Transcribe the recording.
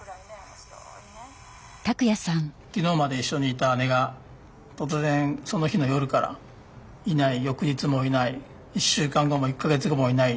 昨日まで一緒にいた姉が突然その日の夜からいない翌日もいない１週間後も１か月後もいない。